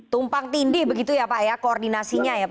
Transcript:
tumpang tindih begitu ya pak ya koordinasinya ya pak